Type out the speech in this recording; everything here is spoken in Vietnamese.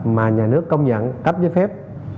mà nhà nước công nhận cấp giới phép